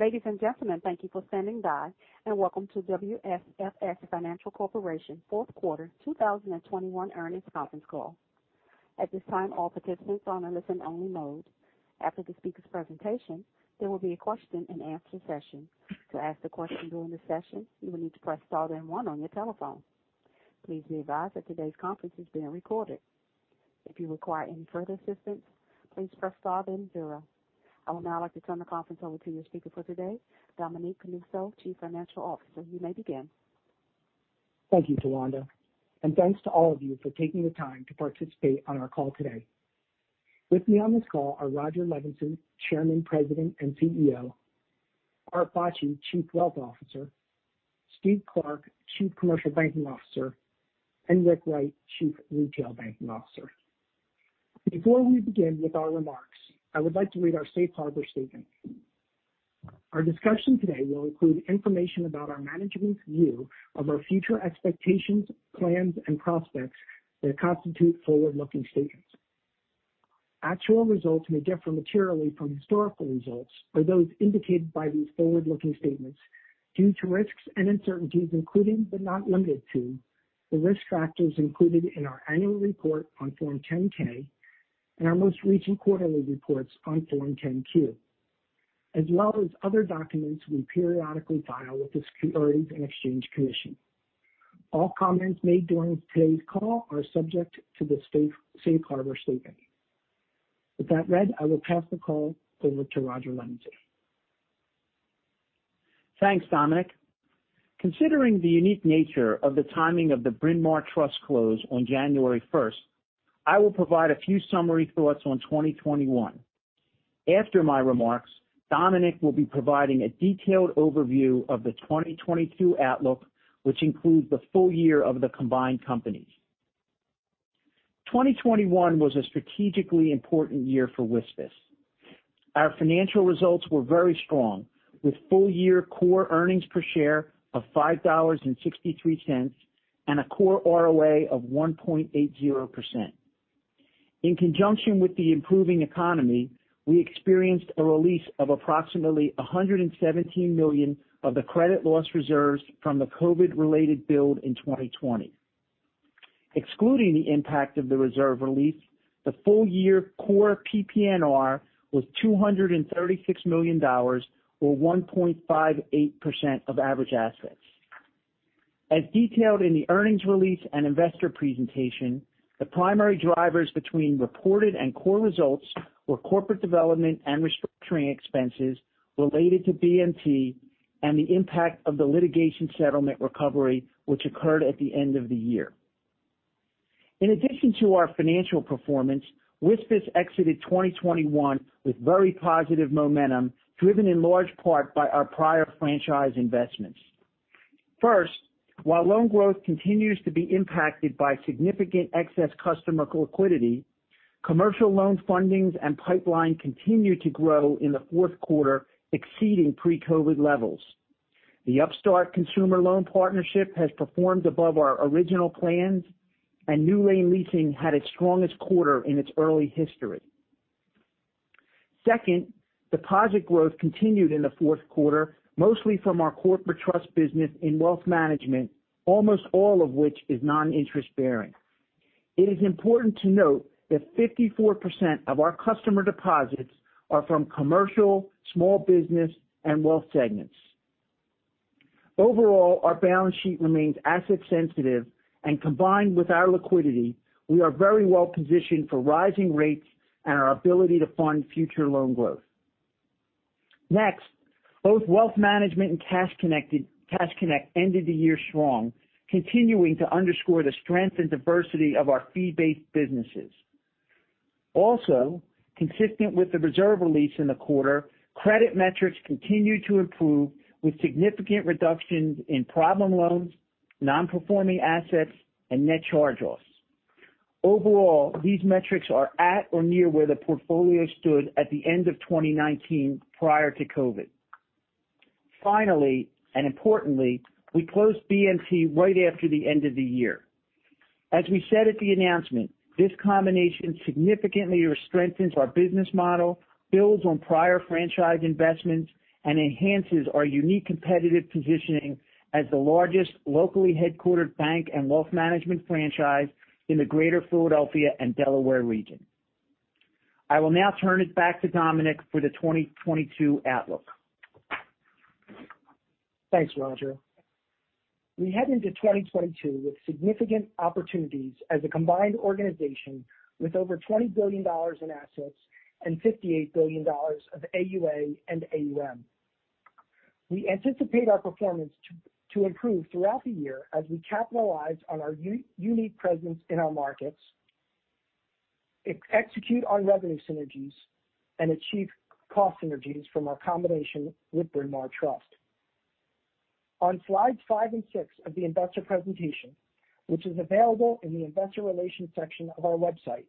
Ladies and gentlemen, thank you for standing by and welcome to WSFS Financial Corporation 4th Quarter 2021 Earnings Conference Call. At this time, all participants are on a listen-only mode. After the speaker's presentation, there will be a question and answer session. To ask a question during the session, you will need to press star then 1 on your telephone. Please be advised that today's conference is being recorded. If you require any further assistance, please press star then 0. I would now like to turn the conference over to your speaker for today, Dominic Canuso, Chief Financial Officer. You may begin. Thank you, Towanda, and thanks to all of you for taking the time to participate on our call today. With me on this call are Rodger Levenson, Chairman, President, and CEO; Art Bacci, Chief Wealth Officer; Steve Clark, Chief Commercial Banking Officer; and Rick Wright, Chief Retail Banking Officer. Before we begin with our remarks, I would like to read our safe harbor statement. Our discussion today will include information about our management's view of our future expectations, plans, and prospects that constitute forward-looking statements. Actual results may differ materially from historical results or those indicated by these forward-looking statements due to risks and uncertainties, including but not limited to, the risk factors included in our annual report on Form 10-K and our most recent quarterly reports on Form 10-Q, as well as other documents we periodically file with the Securities and Exchange Commission. All comments made during today's call are subject to the safe harbor statement. With that read, I will pass the call over to Rodger Levenson. Thanks, Dominic. Considering the unique nature of the timing of the Bryn Mawr Trust close on January 1, I will provide a few summary thoughts on 2021. After my remarks, Dominic will be providing a detailed overview of the 2022 outlook, which includes the full year of the combined companies. 2021 was a strategically important year for WSFS. Our financial results were very strong, with full year core EPS of $5.63, and a core ROA of 1.80%. In conjunction with the improving economy, we experienced a release of approximately $117 million of the credit loss reserves from the COVID-related build in 2020. Excluding the impact of the reserve release, the full year core PPNR was $236 million, or 1.58% of average assets. As detailed in the earnings release and investor presentation, the primary drivers between reported and core results were corporate development and restructuring expenses related to BMT and the impact of the litigation settlement recovery which occurred at the end of the year. In addition to our financial performance, WSFS exited 2021 with very positive momentum, driven in large part by our prior franchise investments. First, while loan growth continues to be impacted by significant excess customer liquidity, commercial loan fundings and pipeline continued to grow in the 4th quarter, exceeding pre-COVID levels. The Upstart consumer loan partnership has performed above our original plans, and NewLane Leasing had its strongest quarter in its early history. Second, deposit growth continued in the 4th quarter, mostly from our corporate trust business in wealth management, almost all of which is non-interest-bearing. It is important to note that 54% of our customer deposits are from commercial, small business, and wealth segments. Overall, our balance sheet remains asset sensitive, and combined with our liquidity, we are very well positioned for rising rates and our ability to fund future loan growth. Next, both wealth management and Cash Connect ended the year strong, continuing to underscore the strength and diversity of our fee-based businesses. Also, consistent with the reserve release in the quarter, credit metrics continued to improve with significant reductions in problem loans, non-performing assets, and net charge-offs. Overall, these metrics are at or near where the portfolio stood at the end of 2019 prior to COVID. Finally and importantly, we closed BMT right after the end of the year. As we said at the announcement, this combination significantly strengthens our business model, builds on prior franchise investments, and enhances our unique competitive positioning as the largest locally headquartered bank and wealth management franchise in the Greater Philadelphia and Delaware region. I will now turn it back to Dominic for the 2022 outlook. Thanks, Rodger. We head into 2022 with significant opportunities as a combined organization with over $20 billion in assets and $58 billion of AUA and AUM. We anticipate our performance to improve throughout the year as we capitalize on our unique presence in our markets, execute on revenue synergies, and achieve cost synergies from our combination with Bryn Mawr Trust. On slides 5 and 6 of the investor presentation, which is available in the investor relations section of our website,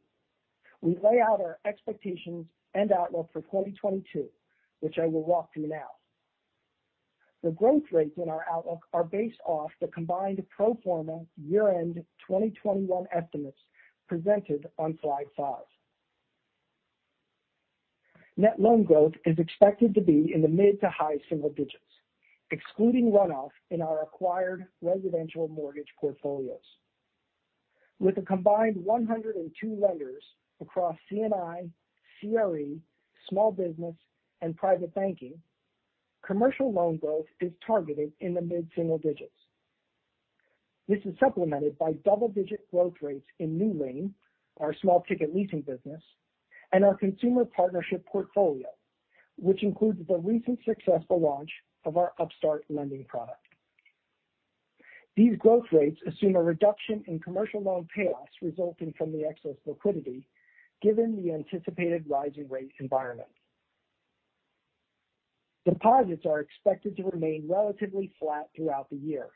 we lay out our expectations and outlook for 2022, which I will walk through now. The growth rates in our outlook are based off the combined pro forma year-end 2021 estimates presented on slide 5. Net loan growth is expected to be in the mid- to high-single digits, excluding runoff in our acquired residential mortgage portfolios. With a combined 102 lenders across C&I, CRE, small business and private banking, commercial loan growth is targeted in the mid-single digits. This is supplemented by double-digit growth rates in NewLane, our small ticket leasing business, and our consumer partnership portfolio, which includes the recent successful launch of our Upstart lending product. These growth rates assume a reduction in commercial loan payoffs resulting from the excess liquidity given the anticipated rising rate environment. Deposits are expected to remain relatively flat throughout the year.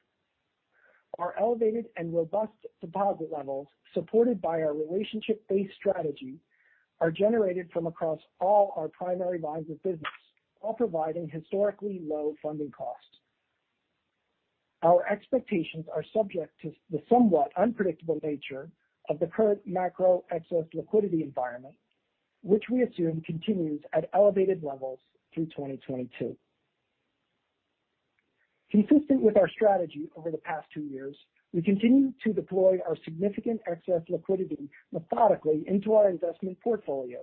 Our elevated and robust deposit levels, supported by our relationship-based strategy, are generated from across all our primary lines of business while providing historically low funding costs. Our expectations are subject to the somewhat unpredictable nature of the current macro excess liquidity environment, which we assume continues at elevated levels through 2022. Consistent with our strategy over the past two years, we continue to deploy our significant excess liquidity methodically into our investment portfolio,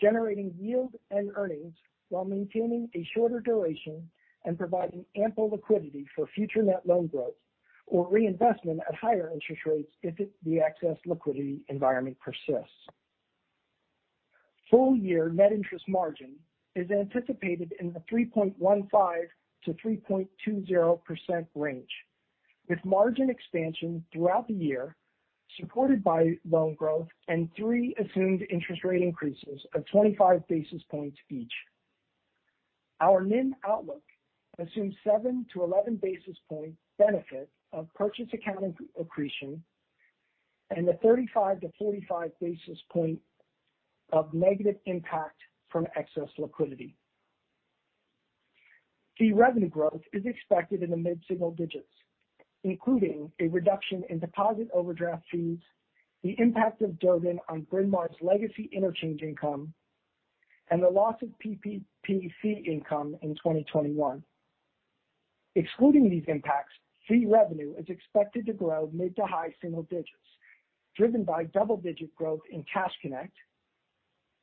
generating yield and earnings while maintaining a shorter duration and providing ample liquidity for future net loan growth or reinvestment at higher interest rates if the excess liquidity environment persists. Full year net interest margin is anticipated in the 3.15%-3.20% range, with margin expansion throughout the year supported by loan growth and three assumed interest rate increases of 25 basis points each. Our NIM outlook assumes seven to 11 basis points benefit of purchase accounting accretion and a 35-45 basis point of negative impact from excess liquidity. Fee revenue growth is expected in the mid-single digits, including a reduction in deposit overdraft fees, the impact of Durbin on Bryn Mawr's legacy interchange income, and the loss of PPP fee income in 2021. Excluding these impacts, fee revenue is expected to grow mid- to high-single digits, driven by double-digit growth in Cash Connect,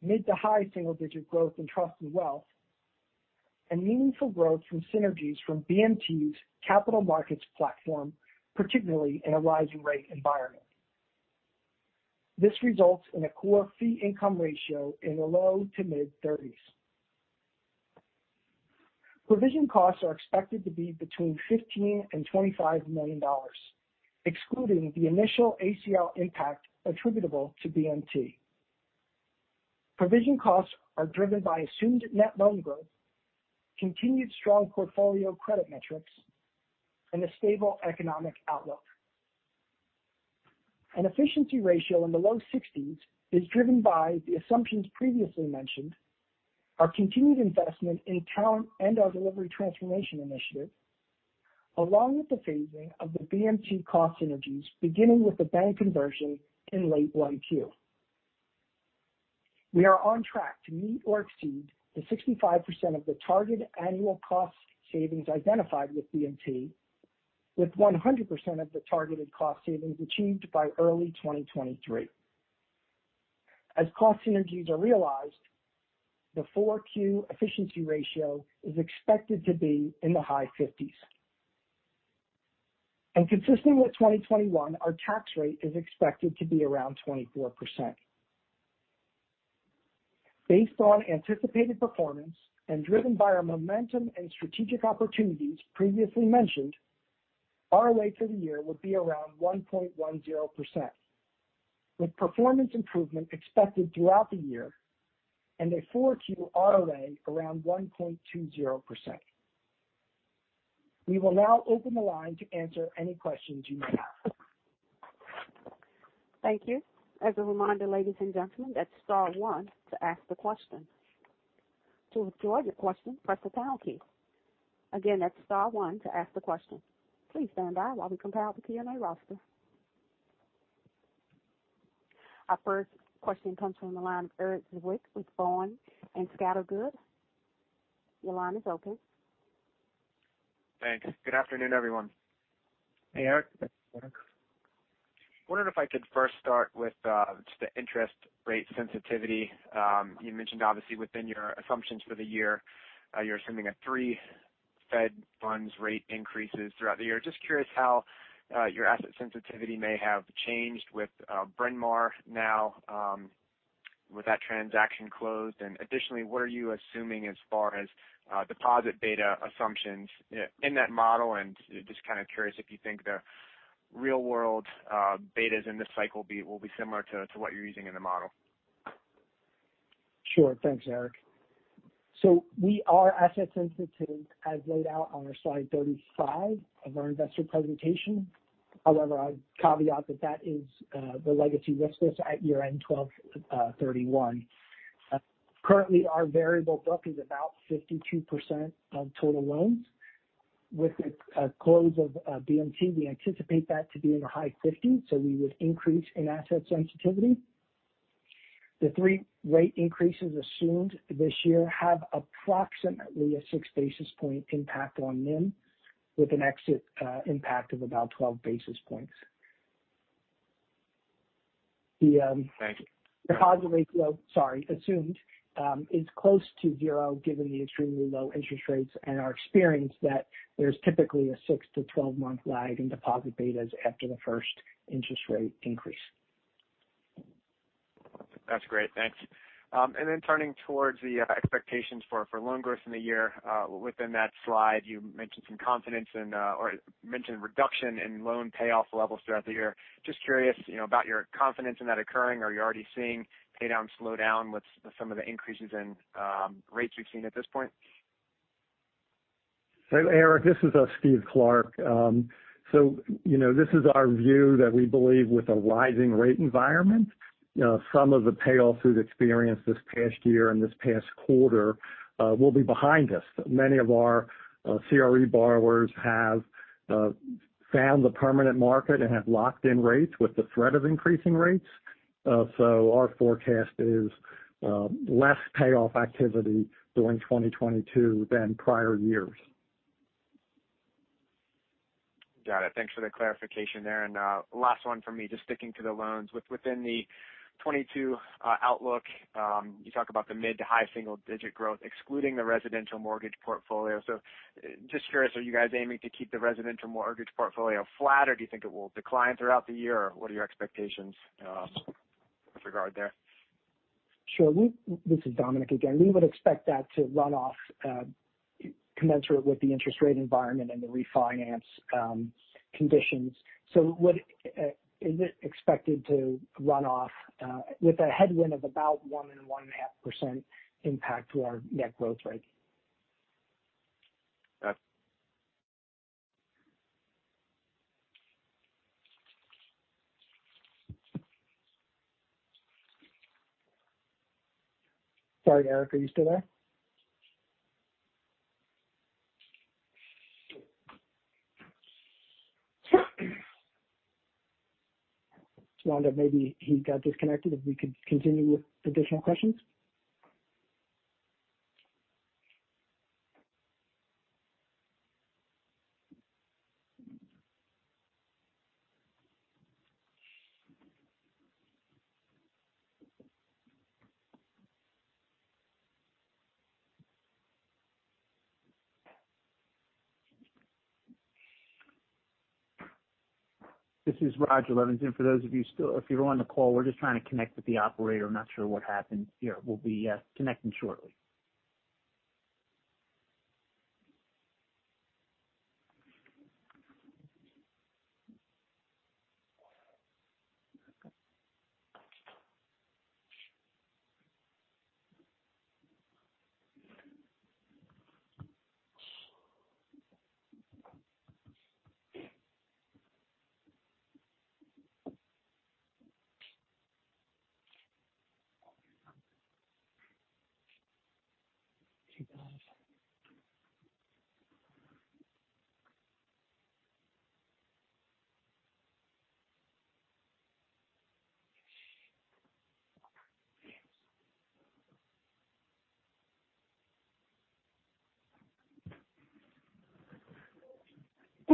mid- to high-single-digit growth in trust and wealth, and meaningful growth from synergies from BMT's capital markets platform, particularly in a rising rate environment. This results in a core fee income ratio in the low- to mid-30s. Provision costs are expected to be between $15 million and $25 million, excluding the initial ACL impact attributable to BMT. Provision costs are driven by assumed net loan growth, continued strong portfolio credit metrics, and a stable economic outlook. An efficiency ratio in the low-60s is driven by the assumptions previously mentioned, our continued investment in talent and our delivery transformation initiative, along with the phasing of the BMT cost synergies beginning with the bank conversion in late 1Q. We are on track to meet or exceed the 65% of the target annual cost savings identified with BMT, with 100% of the targeted cost savings achieved by early 2023. As cost synergies are realized, the 4Q efficiency ratio is expected to be in the high 50s. Consistent with 2021, our tax rate is expected to be around 24%. Based on anticipated performance and driven by our momentum and strategic opportunities previously mentioned, ROA for the year will be around 1.10%, with performance improvement expected throughout the year and a 4Q ROA around 1.20%. We will now open the line to answer any questions you may have. Thank you. As a reminder, ladies and gentlemen, that's star one to ask the question. To withdraw your question, press the pound key. Again, that's star one to ask the question. Please stand by while we compile the Q&A roster. Our first question comes from the line of Erik Zwick with Boenning & Scattergood. Your line is open. Thanks. Good afternoon, everyone. Hey, Erik. Wondering if I could first start with just the interest rate sensitivity. You mentioned obviously within your assumptions for the year, you're assuming a 3 Fed funds rate increases throughout the year. Just curious how your asset sensitivity may have changed with Bryn Mawr now with that transaction closed. Additionally, what are you assuming as far as deposit beta assumptions in that model? Just kind of curious if you think the real world betas in this cycle will be similar to what you're using in the model. Sure. Thanks, Erik. We are asset sensitive as laid out on our slide 35 of our investor presentation. However, I caveat that is the legacy risk at year-end 12/31. Currently, our variable book is about 52% of total loans. With the close of BMT, we anticipate that to be in the high 50s, so we would increase in asset sensitivity. The three rate increases assumed this year have approximately a six basis point impact on NIM with an exit impact of about 12 basis points. Thank you. Deposit rate, assumed, is close to zero given the extremely low interest rates and our experience that there's typically a 6-12-month lag in deposit betas after the first interest rate increase. That's great. Thanks. Turning towards the expectations for loan growth in the year. Within that slide you mentioned reduction in loan payoff levels throughout the year. Just curious, you know, about your confidence in that occurring. Are you already seeing pay down slow down with some of the increases in rates we've seen at this point? Erik, this is Steve Clark. You know, this is our view that we believe with a rising rate environment, you know, some of the payoffs we've experienced this past year and this past quarter will be behind us. Many of our CRE borrowers have found the permanent market and have locked in rates with the threat of increasing rates. Our forecast is less payoff activity during 2022 than prior years. Got it. Thanks for the clarification there. Last one for me. Just sticking to the loans. Within the 22 outlook, you talk about the mid to high single digit growth excluding the residential mortgage portfolio. Just curious, are you guys aiming to keep the residential mortgage portfolio flat, or do you think it will decline throughout the year? What are your expectations with regard there? Sure. This is Dominic again. We would expect that to run off commensurate with the interest rate environment and the refinance conditions. It is expected to run off with a headwind of about 1%-1.5% impact to our net growth rate. Got it. Sorry, Erik, are you still there? Towanda, maybe he got disconnected. If we could continue with additional questions. This is Rodger Levenson. For those of you still, if you're on the call, we're just trying to connect with the operator. I'm not sure what happened here. We'll be connecting shortly.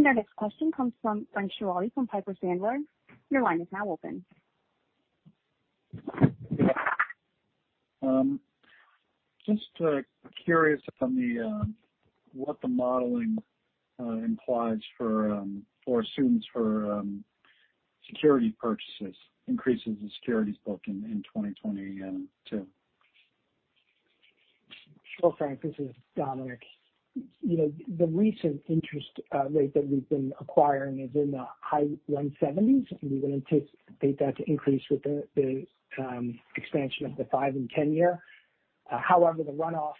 Our next question comes from Frank Schiraldi from Piper Sandler. Your line is now open. Just curious on what the modeling implies for, or assumes for, security purchases increases the securities book in 2022. Sure, Frank, this is Dominic. You know, the recent interest rate that we've been acquiring is in the high 1.70s, and we would anticipate that to increase with the expansion of the 5 and 10-year. However, the runoff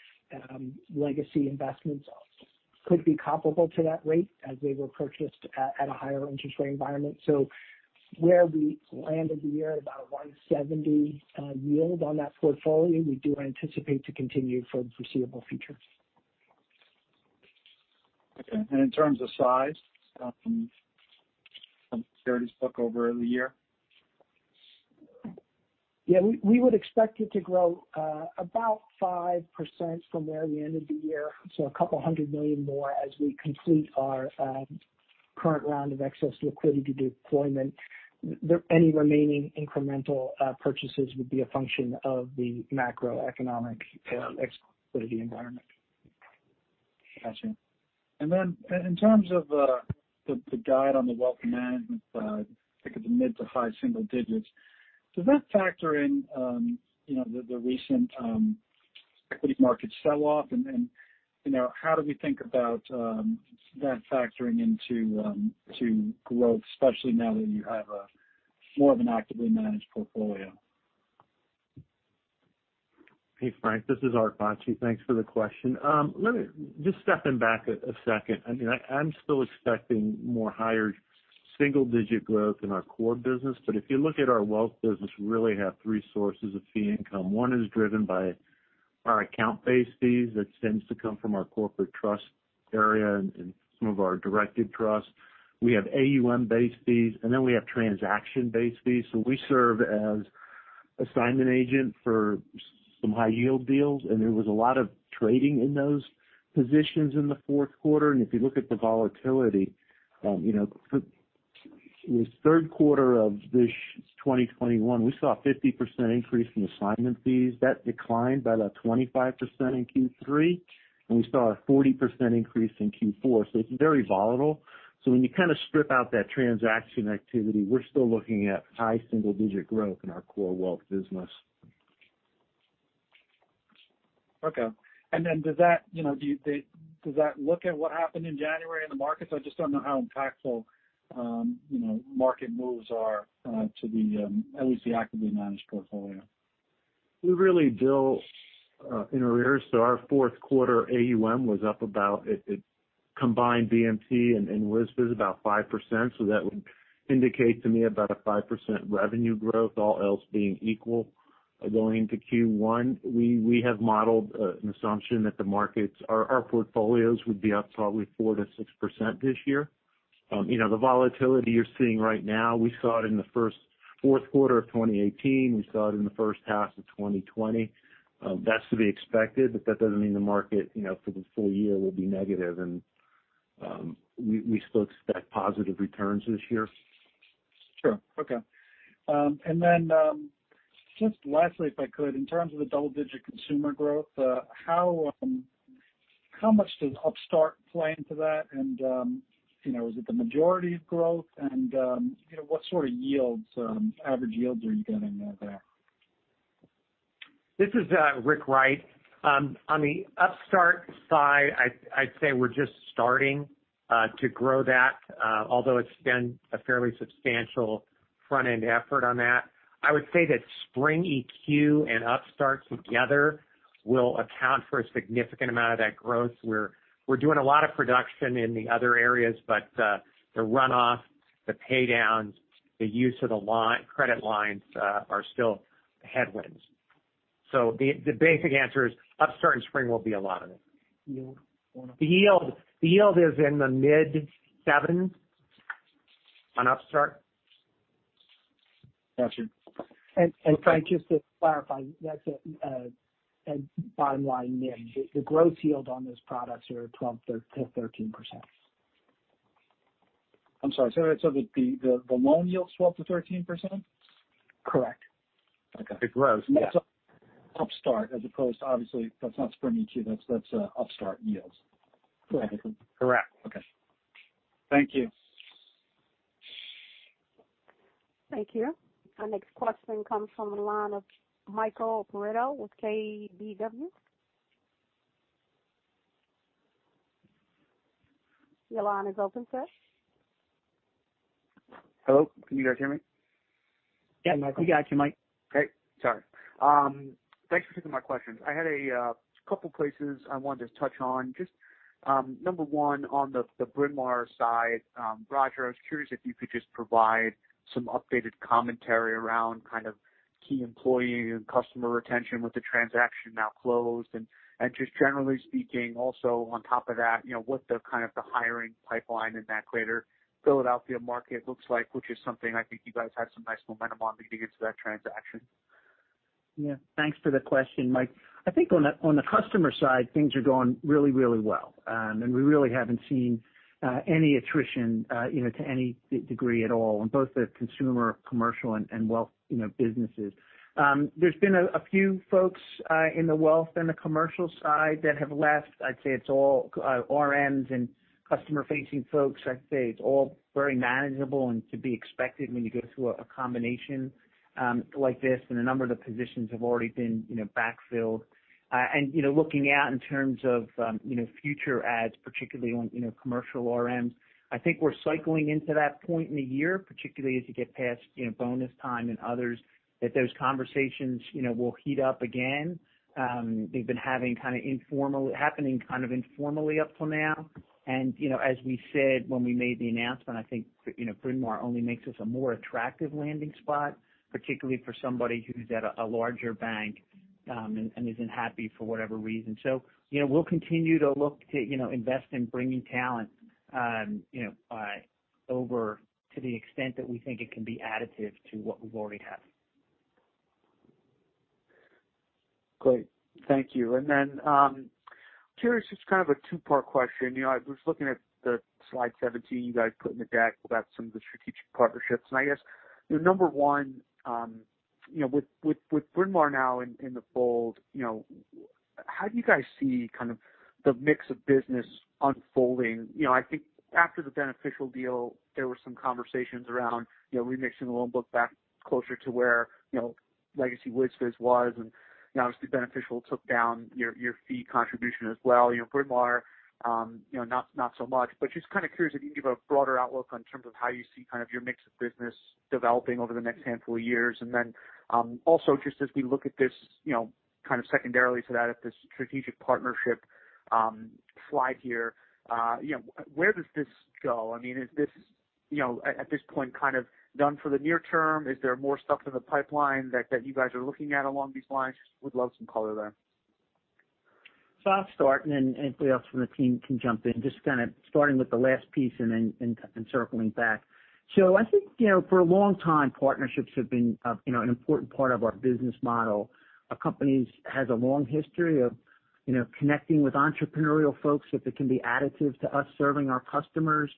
legacy investments could be comparable to that rate as they were purchased at a higher interest rate environment. Where we landed the year at about 1.70% yield on that portfolio, we do anticipate to continue for the foreseeable future. Okay. In terms of size, of the securities book over the year? Yeah, we would expect it to grow about 5% from where we ended the year, so $200 million more as we complete our current round of excess liquidity deployment. Then any remaining incremental purchases would be a function of the macroeconomic equity environment. Got you. In terms of the guide on the wealth management side, think of the mid- to high-single digits. Does that factor in the recent equity market sell-off? How do we think about that factoring into growth, especially now that you have a more of an actively managed portfolio? Hey, Frank, this is Art Bacci. Thanks for the question. Let me just step back a second. I mean, I'm still expecting mid- to higher single-digit growth in our core business. If you look at our wealth business, we really have three sources of fee income. One is driven by our account-based fees that tends to come from our corporate trust area and some of our directed trusts. We have AUM-based fees, and then we have transaction-based fees. We serve as assignment agent for some high-yield deals, and there was a lot of trading in those positions in the 4th quarter. If you look at the volatility, you know, for the 3rd quarter of 2021, we saw a 50% increase in assignment fees. That declined by about 25% in Q3, and we saw a 40% increase in Q4. It's very volatile. When you kind of strip out that transaction activity, we're still looking at high single digit growth in our core wealth business. Okay. Does that, you know, look at what happened in January in the markets? I just don't know how impactful, you know, market moves are to at least the actively managed portfolio. We really bill in arrears. Our 4th quarter AUM was up about 5%, combined BMT and WSFS. That would indicate to me about a 5% revenue growth, all else being equal. Going into Q1, we have modeled an assumption that the markets, our portfolios would be up probably 4%-6% this year. You know, the volatility you're seeing right now, we saw it in the 4th quarter of 2018. We saw it in the first half of 2020. That's to be expected, but that doesn't mean the market, you know, for the full year will be negative. We still expect positive returns this year. Sure. Okay. Just lastly, if I could, in terms of the double-digit consumer growth, how much does Upstart play into that? You know, is it the majority of growth? You know, what sort of yields, average yields are you getting there? This is Rick Wright. On the Upstart side, I'd say we're just starting to grow that, although it's been a fairly substantial front-end effort on that. I would say that Spring EQ and Upstart together will account for a significant amount of that growth. We're doing a lot of production in the other areas, but the runoff, the pay downs, the use of the line of credit lines are still headwinds. The basic answer is Upstart and Spring will be a lot of it. Yield? The yield is in the mid sevens on Upstart. Got you. Frank, just to clarify, that's a bottom line NIM. The growth yield on those products are 12%-13%. I'm sorry. Say that. The loan yield is 12%-13%? Correct. Okay. The growth. Yeah. That's Upstart as opposed to obviously that's not Spring EQ, that's Upstart yields. Correct. Correct. Okay. Thank you. Thank you. Our next question comes from the line of Michael Perito with KBW. Your line is open, sir. Hello. Can you guys hear me? Yeah, Michael. We got you, Mike. Great. Sorry. Thanks for taking my questions. I had a couple places I wanted to touch on. Just number one, on the Bryn Mawr side. Rodger, I was curious if you could just provide some updated commentary around kind of key employee and customer retention with the transaction now closed. Just generally speaking also on top of that, you know, what the kind of hiring pipeline in that greater Philadelphia market looks like, which is something I think you guys had some nice momentum on leading into that transaction. Yeah. Thanks for the question, Mike. I think on the customer side, things are going really well. We really haven't seen any attrition, you know, to any degree at all on both the consumer, commercial and wealth, you know, businesses. There's been a few folks in the wealth and the commercial side that have left. I'd say it's all RMs and customer-facing folks. I'd say it's all very manageable and to be expected when you go through a combination like this and a number of the positions have already been, you know, backfilled. Looking out in terms of, you know, future ads, particularly on, you know, commercial RMs. I think we're cycling into that point in the year, particularly as you get past, you know, bonus time and others, that those conversations, you know, will heat up again. They've been happening kind of informally up till now. You know, as we said when we made the announcement, I think, you know, Bryn Mawr only makes us a more attractive landing spot, particularly for somebody who's at a larger bank, and isn't happy for whatever reason. You know, we'll continue to look to, you know, invest in bringing talent, you know, over to the extent that we think it can be additive to what we already have. Great. Thank you. Then, I'm curious, just kind of a two-part question. You know, I was looking at the slide 17 you guys put in the deck about some of the strategic partnerships. I guess, you know, number one, you know, with Bryn Mawr now in the fold, you know, how do you guys see kind of the mix of business unfolding? You know, I think after the Beneficial deal, there were some conversations around, you know, remixing the loan book back closer to where, you know, legacy WSFS was. Obviously Beneficial took down your fee contribution as well. You know, Bryn Mawr, you know, not so much. Just kind of curious if you can give a broader outlook in terms of how you see kind of your mix of business developing over the next handful of years. Also just as we look at this, you know, kind of secondarily to that, at this strategic partnership slide here, you know, where does this go? I mean, is this you know, at this point kind of done for the near term. Is there more stuff in the pipeline that you guys are looking at along these lines? Would love some color there. I'll start and anybody else from the team can jump in. Just kind of starting with the last piece and then circling back. I think, you know, for a long time, partnerships have been, you know, an important part of our business model. Our company has a long history of, you know, connecting with entrepreneurial folks if it can be additive to us serving our customers.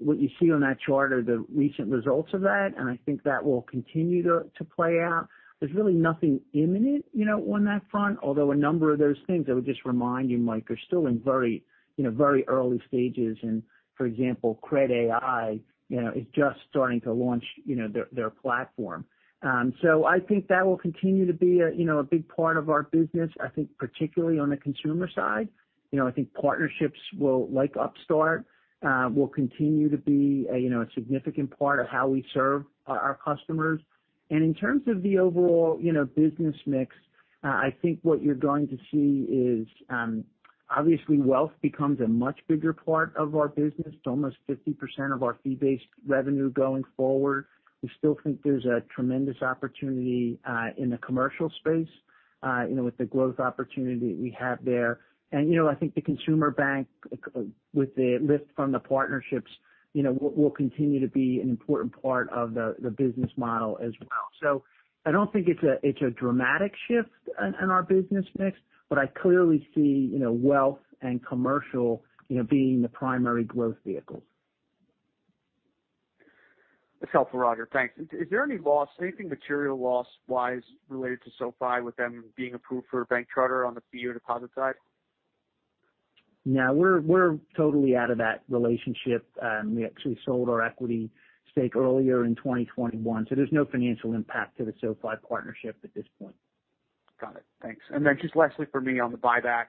What you see on that chart are the recent results of that, and I think that will continue to play out. There's really nothing imminent, you know, on that front, although a number of those things I would just remind you, Mike, are still in very, you know, very early stages and for example, cred.ai, you know, is just starting to launch, you know, their platform. I think that will continue to be a, you know, a big part of our business, I think particularly on the consumer side. You know, I think partnerships will, like Upstart, will continue to be a, you know, a significant part of how we serve our customers. In terms of the overall, you know, business mix, I think what you're going to see is, obviously wealth becomes a much bigger part of our business to almost 50% of our fee-based revenue going forward. We still think there's a tremendous opportunity, in the commercial space, you know, with the growth opportunity we have there. You know, I think the consumer bank, with the lift from the partnerships, you know, will continue to be an important part of the business model as well. I don't think it's a dramatic shift in our business mix, but I clearly see, you know, wealth and commercial, you know, being the primary growth vehicles. That's helpful, Rodger. Thanks. Is there any loss, anything material loss-wise related to SoFi with them being approved for a bank charter on the fee or deposit side? No. We're totally out of that relationship. We actually sold our equity stake earlier in 2021, so there's no financial impact to the SoFi partnership at this point. Got it. Thanks. Just lastly for me on the buyback.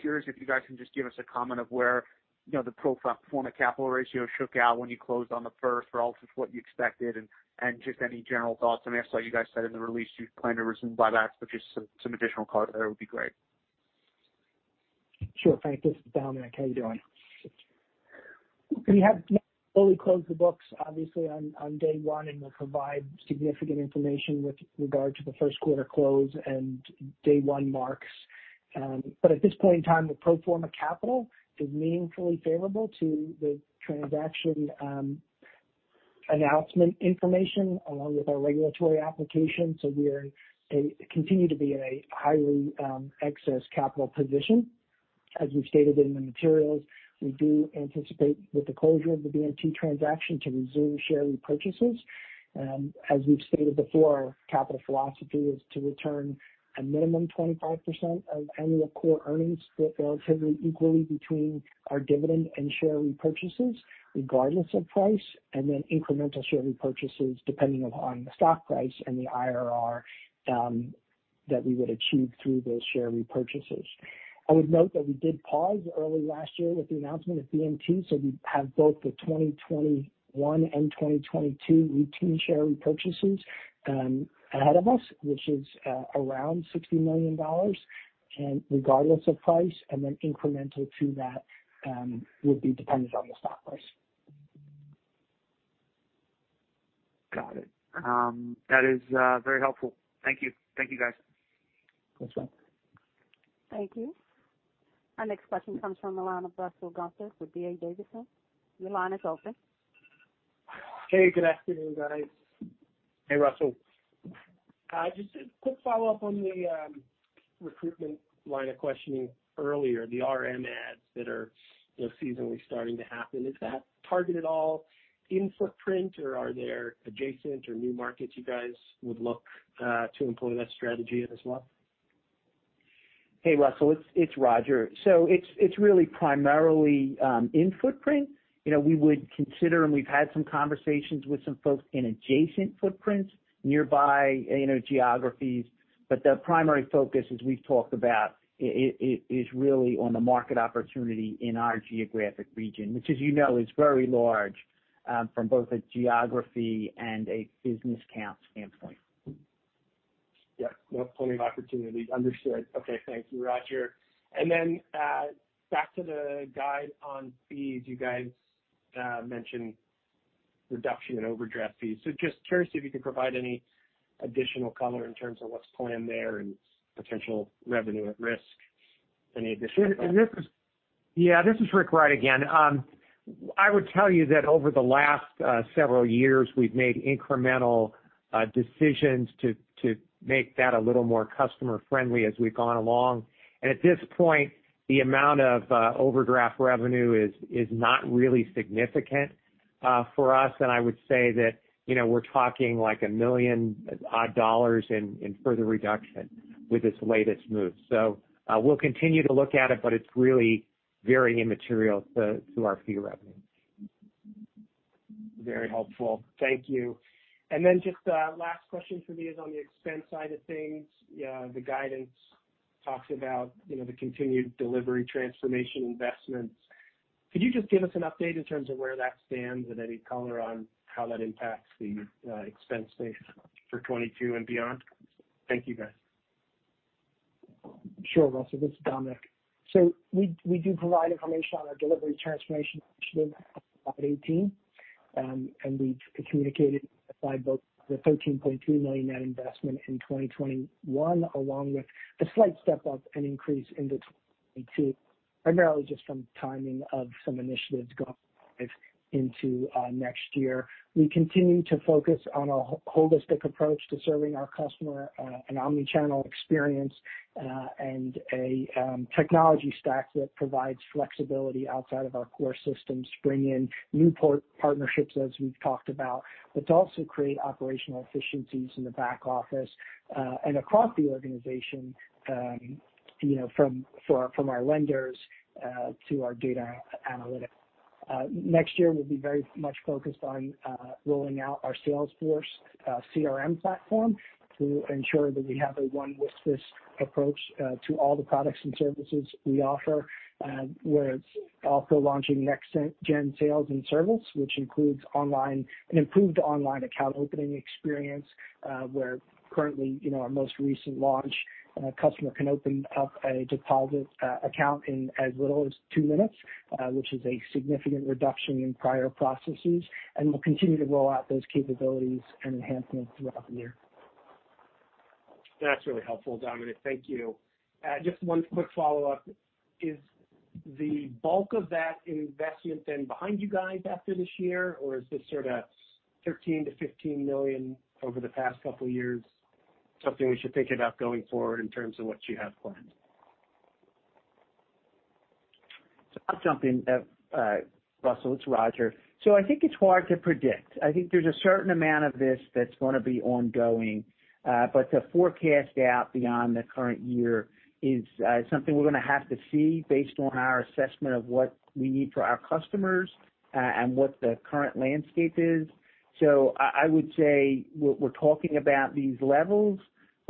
Curious if you guys can just give us a comment on where, you know, the pro forma capital ratio shook out when you closed on the first relative to what you expected and just any general thoughts. I mean, I saw you guys said in the release you plan to resume buybacks, but just some additional color there would be great. Sure. Thanks. This is Dominic. How you doing? We have not fully closed the books obviously on day one, and we'll provide significant information with regard to the 1st quarter close and day one marks. At this point in time, the pro forma capital is meaningfully favorable to the transaction announcement information along with our regulatory application. We continue to be in a highly excess capital position. As we've stated in the materials, we do anticipate with the closure of the BMT transaction to resume share repurchases. As we've stated before, our capital philosophy is to return a minimum 25% of annual core earnings split relatively equally between our dividend and share repurchases regardless of price, and then incremental share repurchases depending upon the stock price and the IRR that we would achieve through those share repurchases. I would note that we did pause early last year with the announcement of BMT, so we have both the 2021 and 2022 routine share repurchases ahead of us, which is around $60 million and regardless of price, and then incremental to that would be dependent on the stock price. Got it. That is very helpful. Thank you. Thank you, guys. Thanks, Mike. Thank you. Our next question comes from the line of Russell Gunther with D.A. Davidson. Your line is open. Hey, good afternoon, guys. Hey, Russell. Just a quick follow-up on the recruitment line of questioning earlier, the RM ads that are, you know, seasonally starting to happen. Is that targeted at all in footprint or are there adjacent or new markets you guys would look to employ that strategy in as well? Hey, Russell. It's Rodger. It's really primarily in footprint. You know, we would consider and we've had some conversations with some folks in adjacent footprints nearby, you know, geographies. The primary focus, as we've talked about, is really on the market opportunity in our geographic region, which as you know is very large from both a geography and a business count standpoint. Yeah. Well, plenty of opportunity. Understood. Okay. Thank you, Rodger. Back to the guide on fees. You guys mentioned reduction in overdraft fees. Just curious if you could provide any additional color in terms of what's planned there and potential revenue at risk, any additional color. Yeah, this is Rick Wright again. I would tell you that over the last several years, we've made incremental decisions to make that a little more customer friendly as we've gone along. At this point, the amount of overdraft revenue is not really significant for us. I would say that, you know, we're talking like $1 million in further reduction with this latest move. We'll continue to look at it, but it's really very immaterial to our fee revenue. Very helpful. Thank you. Just a last question for me is on the expense side of things. The guidance talks about, you know, the continued delivery transformation investments. Could you just give us an update in terms of where that stands and any color on how that impacts the expense base for 2022 and beyond? Thank you, guys. Sure, Russell, this is Dominic. We do provide information on our delivery transformation initiative in 2018. We communicated both the $13.2 million net investment in 2021, along with a slight step up and increase into 2022, primarily just from timing of some initiatives going into next year. We continue to focus on a holistic approach to serving our customer, an omni-channel experience, and a technology stack that provides flexibility outside of our core systems to bring in new partnerships as we've talked about to also create operational efficiencies in the back office and across the organization, you know, from our lenders to our data analytics. Next year we'll be very much focused on rolling out our Salesforce CRM platform to ensure that we have a one voice approach to all the products and services we offer. We're also launching next gen sales and service, which includes online, an improved online account opening experience, where currently, you know, our most recent launch, customer can open up a deposit account in as little as two minutes, which is a significant reduction in prior processes. We'll continue to roll out those capabilities and enhancements throughout the year. That's really helpful, Dominic. Thank you. Just one quick follow-up. Is the bulk of that investment then behind you guys after this year, or is this sort of $13 million-$15 million over the past couple of years something we should think about going forward in terms of what you have planned? I'll jump in, Russell, it's Rodger. I think it's hard to predict. I think there's a certain amount of this that's gonna be ongoing, but to forecast out beyond the current year is something we're gonna have to see based on our assessment of what we need for our customers and what the current landscape is. I would say we're talking about these levels,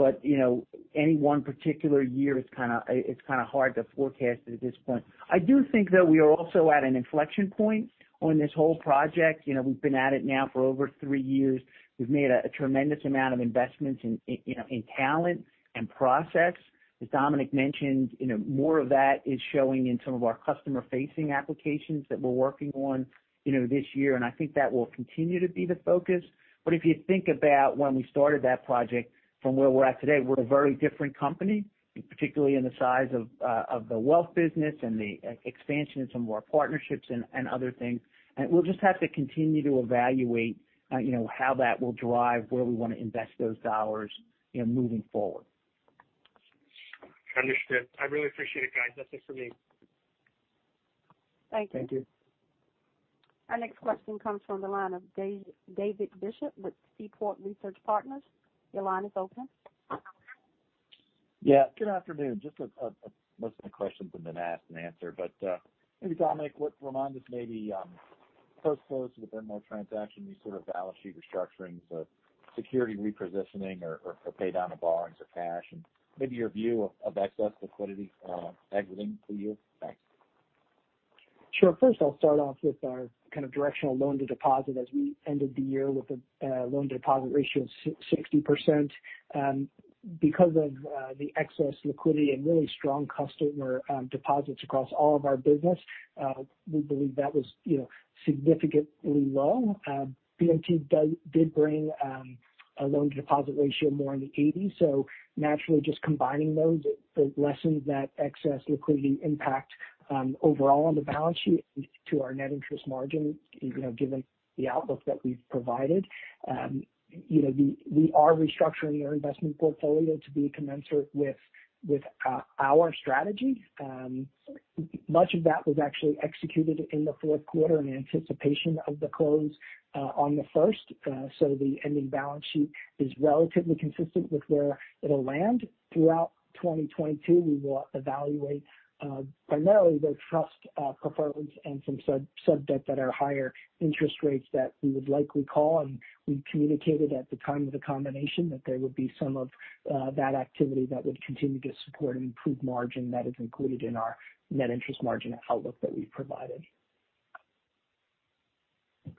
but you know, any one particular year is kind of hard to forecast at this point. I do think, though, we are also at an inflection point on this whole project. You know, we've been at it now for over three years. We've made a tremendous amount of investments in you know, in talent and process. As Dominic mentioned, you know, more of that is showing in some of our customer-facing applications that we're working on, you know, this year, and I think that will continue to be the focus. If you think about when we started that project from where we're at today, we're a very different company, particularly in the size of of the wealth business and the e-expansion in some of our partnerships and other things. We'll just have to continue to evaluate, you know, how that will drive where we want to invest those dollars, you know, moving forward. Understood. I really appreciate it, guys. That's it for me. Thank you. Thank you. Our next question comes from the line of David Bishop with Seaport Research Partners. Your line is open. Yeah, good afternoon. Just most of the questions have been asked and answered. Maybe Dominic, remind us maybe, post-close with the Venmo transaction, these sort of balance sheet restructurings of security repositioning or pay down of borrowings or cash and maybe your view of excess liquidity, exiting for you. Thanks. Sure. First, I'll start off with our kind of directional loan-to-deposit as we ended the year with a loan-to-deposit ratio of 60%. Because of the excess liquidity and really strong customer deposits across all of our business, we believe that was, you know, significantly low. BMT did bring a loan-to-deposit ratio more in the 80s. Naturally, just combining those lessens that excess liquidity impact overall on the balance sheet to our net interest margin, you know, given the outlook that we've provided. You know, we are restructuring our investment portfolio to be commensurate with our strategy. Much of that was actually executed in the 4th quarter in anticipation of the close on the first. The ending balance sheet is relatively consistent with where it'll land. Throughout 2022, we will evaluate primarily the trust preferred and some sub debt that are higher interest rates that we would likely call. We communicated at the time of the combination that there would be some of that activity that would continue to support an improved margin that is included in our net interest margin outlook that we provided.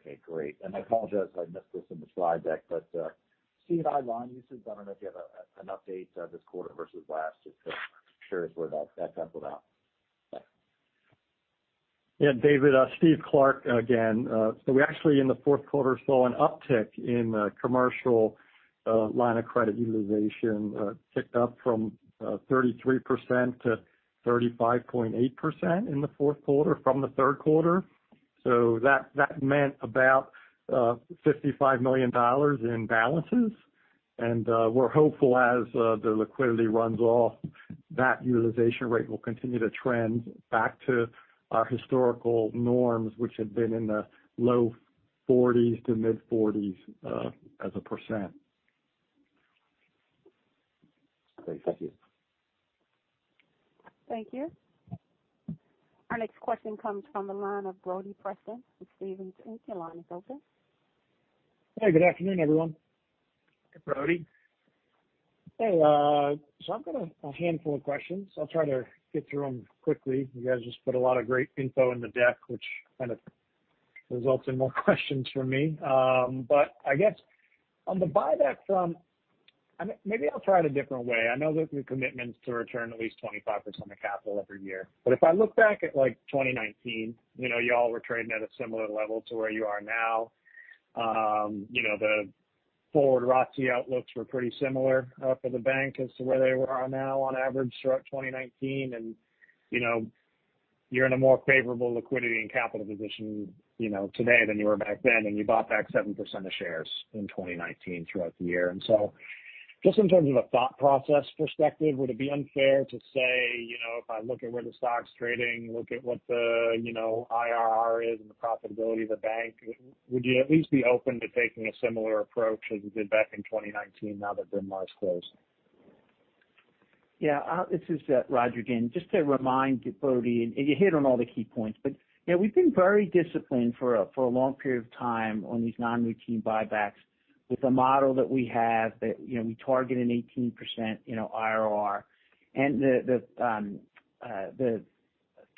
Okay, great. I apologize if I missed this in the slide deck, but C&I loan uses, I don't know if you have an update this quarter versus last, just to share with where that levels out. Yeah, David, Steve Clark again. We actually in the 4th quarter saw an uptick in commercial line of credit utilization, ticked up from 33% to 35.8% in the 4th quarter from the 3rd quarter. That meant about $55 million in balances. We're hopeful as the liquidity runs off that utilization rate will continue to trend back to our historical norms, which had been in the low 40s-mid 40s as a percent. Okay, thank you. Thank you. Our next question comes from the line of Brody Preston with Stephens Inc. Your line is open. Hey, good afternoon, everyone. Hey, Brody. Hey, so I've got a handful of questions. I'll try to get through them quickly. You guys just put a lot of great info in the deck, which results in more questions for me. I guess on the buyback. I maybe I'll try it a different way. I know that the commitment is to return at least 25% of capital every year. If I look back at like 2019, you know, y'all were trading at a similar level to where you are now. You know, the forward ROTCE outlooks were pretty similar for the bank as to where they are now on average throughout 2019. You know, you're in a more favorable liquidity and capital position, you know, today than you were back then, and you bought back 7% of shares in 2019 throughout the year. Just in terms of a thought process perspective, would it be unfair to say, you know, if I look at where the stock's trading, look at what the, you know, IRR is and the profitability of the bank, would you at least be open to taking a similar approach as you did back in 2019 now that BMT's closed? Yeah. This is Rodger again, just to remind you, Brody, and you hit on all the key points. Yeah, we've been very disciplined for a long period of time on these non-routine buybacks with the model that we have that, you know, we target an 18%, you know, IRR. The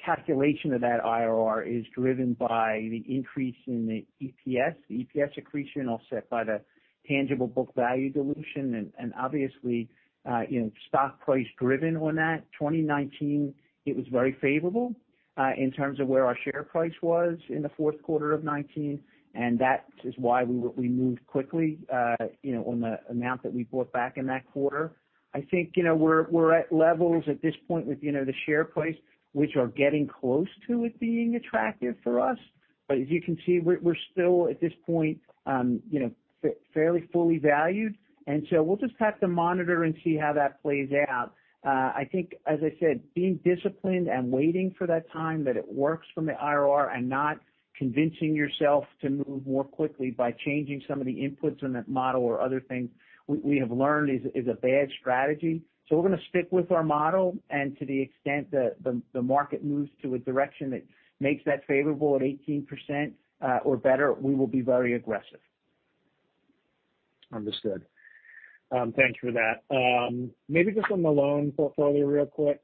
calculation of that IRR is driven by the increase in the EPS. The EPS accretion offset by the tangible book value dilution and obviously, you know, stock price driven on that. 2019, it was very favorable in terms of where our share price was in the 4th quarter of 2019, and that is why we moved quickly, you know, on the amount that we bought back in that quarter. I think, you know, we're at levels at this point with, you know, the share price, which are getting close to it being attractive for us. As you can see, we're still at this point, you know, fairly fully valued. We'll just have to monitor and see how that plays out. I think, as I said, being disciplined and waiting for that time that it works from the IRR and not convincing yourself to move more quickly by changing some of the inputs in that model or other things we have learned is a bad strategy. We're gonna stick with our model. To the extent that the market moves to a direction that makes that favorable at 18%, or better, we will be very aggressive. Understood. Thanks for that. Maybe just on the loan portfolio real quick.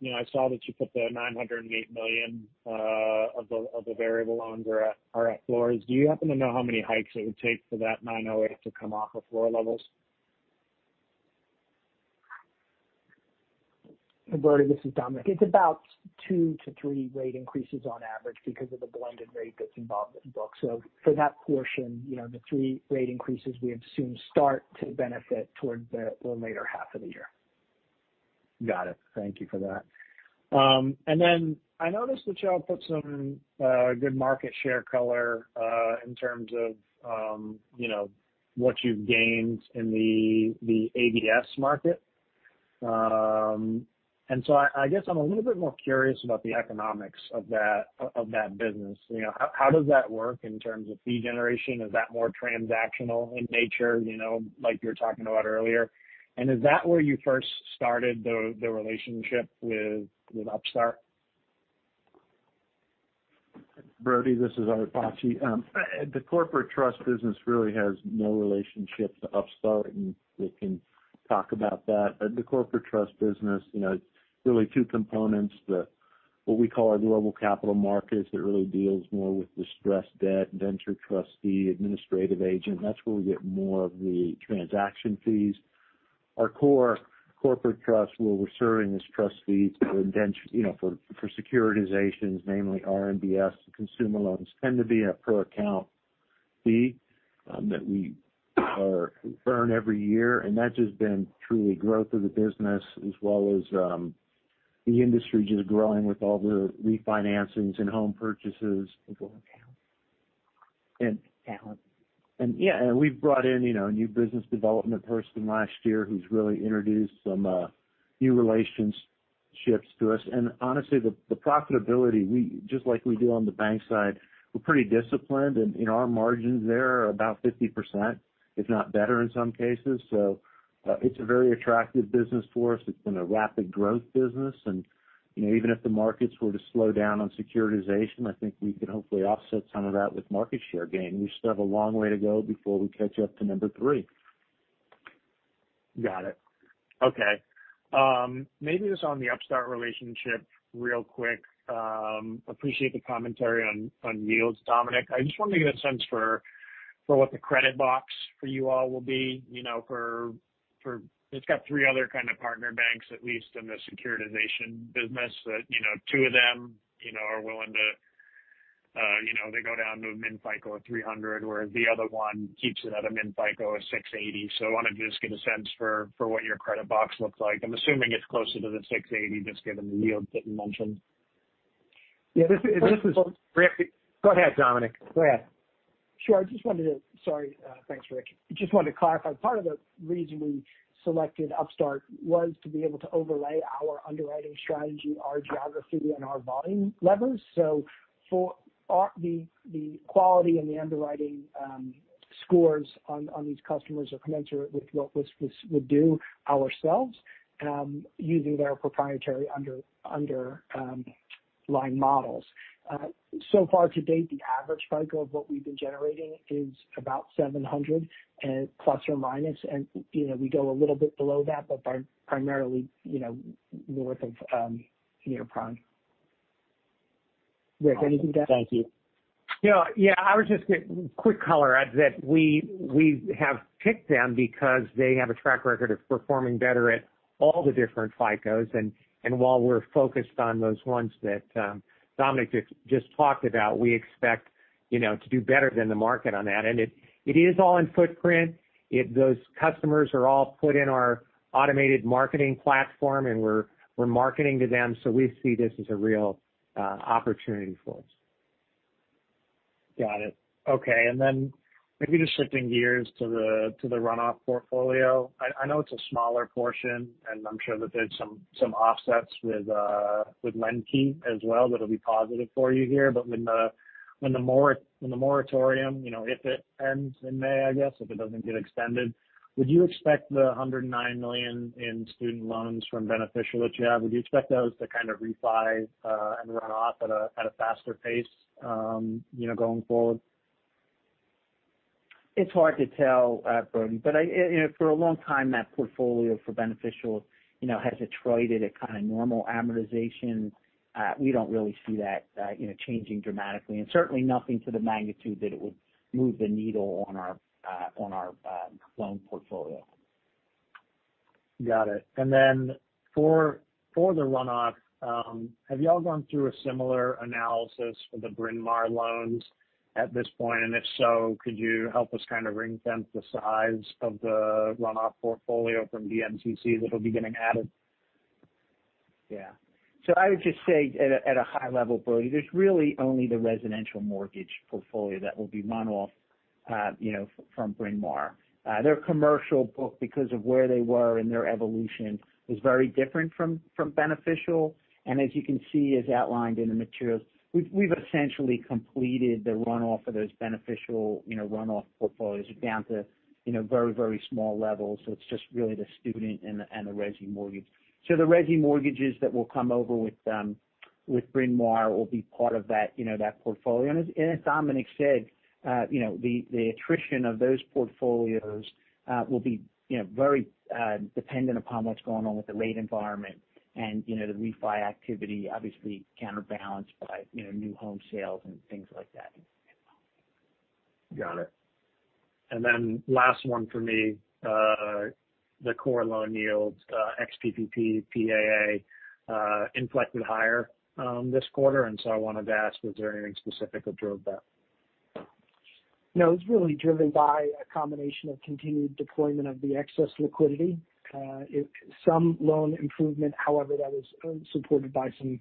You know, I saw that you put the $908 million of the variable loans are at floors. Do you happen to know how many hikes it would take for that 908 to come off of floor levels? Brody, this is Dominic. It's about 2-3 rate increases on average because of the blended rate that's involved in the book. For that portion, you know, the 3 rate increases we assume start to benefit towards the later half of the year. Got it. Thank you for that. I noticed that y'all put some good market share color in terms of you know what you've gained in the ABS market. I guess I'm a little bit more curious about the economics of that business. You know how does that work in terms of fee generation? Is that more transactional in nature you know like you were talking about earlier? Is that where you first started the relationship with Upstart? Brody, this is Art Bacci. The corporate trust business really has no relationship to Upstart, and we can talk about that. The corporate trust business, you know, it's really two components. What we call our global capital markets that really deals more with distressed debt, venture trustee, administrative agent. That's where we get more of the transaction fees. Our core corporate trust, where we're serving as trust fees for indentured, you know, for securitizations, namely RMBS and consumer loans, tend to be a per account fee that we earn every year. That's just been truly growth of the business as well as the industry just growing with all the refinancings and home purchases. Yeah, we've brought in, you know, a new business development person last year who's really introduced some new relationships to us. Honestly, the profitability just like we do on the bank side, we're pretty disciplined and, you know, our margins there are about 50%, if not better in some cases. It's a very attractive business for us. It's been a rapid growth business. You know, even if the markets were to slow down on securitization, I think we could hopefully offset some of that with market share gain. We still have a long way to go before we catch up to number three. Got it. Okay. Maybe just on the Upstart relationship real quick. Appreciate the commentary on yields, Dominic. I just want to get a sense for what the credit box for you all will be, you know, for it's got three other kind of partner banks, at least in the securitization business that two of them are willing to, you know, they go down to a min FICO of 300, whereas the other one keeps it at a min FICO of 680. I want to just get a sense for what your credit box looks like. I'm assuming it's closer to the 680, just given the yields that you mentioned. Yeah- This is, this is Rick- Go ahead, Dominic. Go ahead. Sure. Sorry. Thanks, Rick. I just wanted to clarify, part of the reason we selected Upstart was to be able to overlay our underwriting strategy, our geography, and our volume levers. So the quality and the underwriting scores on these customers are commensurate with what we'd do ourselves using their proprietary underlying models. So far to date, the average FICO of what we've been generating is about 700 ±. You know, we go a little bit below that, but primarily, you know, north of prime. Rick, anything to add? Thank you. Yeah. Yeah. I was just getting quick color as to that we have picked them because they have a track record of performing better at all the different FICOs. While we're focused on those ones that Dominic just talked about, we expect, you know, to do better than the market on that. It is all in footprint. Those customers are all put in our automated marketing platform, and we're marketing to them, so we see this as a real opportunity for us. Got it. Okay. Then maybe just shifting gears to the runoff portfolio. I know it's a smaller portion, and I'm sure that there's some offsets with LendKey as well that'll be positive for you here. But when the moratorium, you know, if it ends in May, I guess, if it doesn't get extended, would you expect the $109 million in student loans from Beneficial that you have to kind of refi and run off at a faster pace, you know, going forward? It's hard to tell, Brody. I, you know, for a long time that portfolio for Beneficial, you know, has attrited at kind of normal amortization. We don't really see that, you know, changing dramatically, and certainly nothing to the magnitude that it would move the needle on our loan portfolio. Got it. Then for the runoff, have y'all gone through a similar analysis for the Bryn Mawr loans at this point? If so, could you help us kind of ring fence the size of the runoff portfolio from BMCC that'll be getting added? Yeah. I would just say at a high level, Brody, there's really only the residential mortgage portfolio that will be run off, you know, from Bryn Mawr. Their commercial book, because of where they were in their evolution, is very different from Beneficial. As you can see as outlined in the materials, we've essentially completed the runoff of those Beneficial runoff portfolios down to very small levels. It's just really the student and the resi mortgage. The resi mortgages that will come over with Bryn Mawr will be part of that portfolio. As Dominic said, you know, the attrition of those portfolios will be, you know, very dependent upon what's going on with the rate environment and, you know, the refi activity obviously counterbalanced by, you know, new home sales and things like that. Got it. Last one for me. The core loan yields, ex-PPP PAA, inflected higher, this quarter. I wanted to ask, was there anything specific that drove that? No, it was really driven by a combination of continued deployment of the excess liquidity, some loan improvement, however, that was supported by some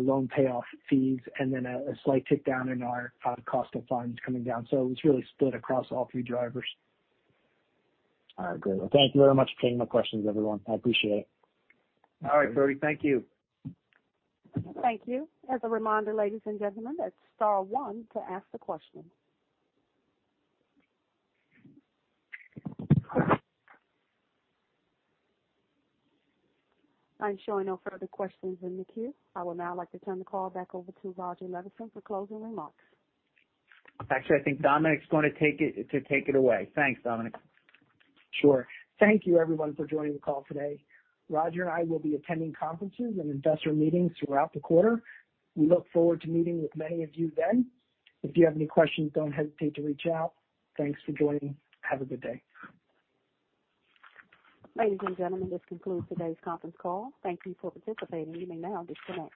loan payoff fees, and then a slight tick down in our cost of funds coming down. It was really split across all three drivers. All right. Great. Well, thank you very much for taking my questions, everyone. I appreciate it. All right, Brody. Thank you. Thank you. As a reminder, ladies and gentlemen, that's star one to ask a question. I'm showing no further questions in the queue. I would now like to turn the call back over to Rodger Levenson for closing remarks. Actually, I think Dominic's gonna take it, to take it away. Thanks, Dominic. Sure. Thank you everyone for joining the call today. Rodger and I will be attending conferences and investor meetings throughout the quarter. We look forward to meeting with many of you then. If you have any questions, don't hesitate to reach out. Thanks for joining. Have a good day. Ladies and gentlemen, this concludes today's conference call. Thank you for participating. You may now disconnect.